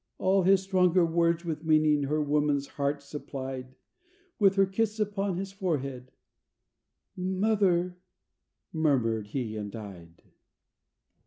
All his stronger words with meaning her woman's heart supplied; With her kiss upon his forehead, "Mother!" murmur'd he and died.